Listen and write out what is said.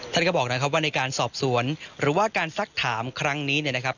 ท่านก็บอกนะครับว่าในการสอบสวนหรือว่าการซักถามครั้งนี้เนี่ยนะครับ